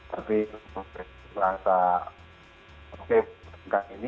tapi untuk berasa oke dengan ini